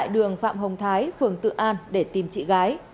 đường phạm hồng thái phường tự an để tìm chị gái